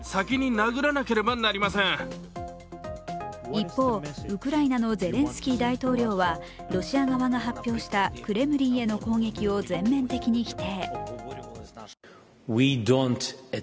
一方、ウクライナのゼレンスキー大統領はロシア側が発表したクレムリンへの攻撃を全面的に否定。